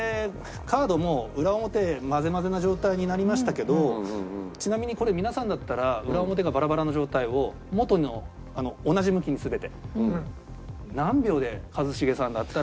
カードも裏表交ぜ交ぜな状態になりましたけどちなみにこれ皆さんだったら裏表がバラバラの状態を元の同じ向きに全て何秒で一茂さんだったら戻せます？